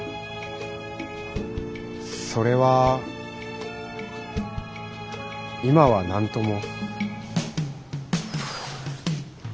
それは今は何とも。